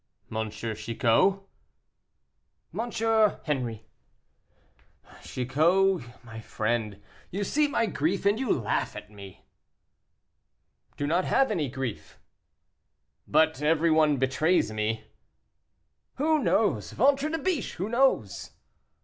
"M. Chicot?" "M. Henri." "Chicot, my friend, you see my grief and you laugh at me." "Do not have any grief." "But everyone betrays me." "Who knows? Ventre de biche! who knows?"